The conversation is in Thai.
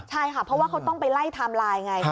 ใช่ค่ะเพราะว่าเขาต้องไปไล่ไทม์ไลน์ไง